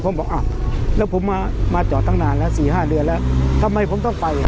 เพราะผมบอกอ้าวแล้วผมมาจอดตั้งนานแล้ว๔๕เดือนแล้วทำไมผมต้องไป